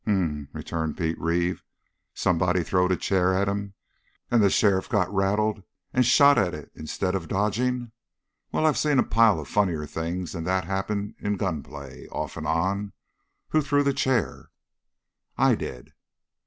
"H'm!" returned Pete Reeve. "Somebody throwed a chair at him, and the sheriff got rattled and shot at it instead of dodging? Well, I've seen a pile of funnier things than that happen in gun play, off and on. Who threw the chair?" "I did."